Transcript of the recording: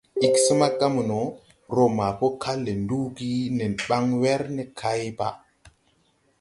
Ig go smaga mono, roo ma po kal le nduugi nen baŋ wer ne kay paʼ.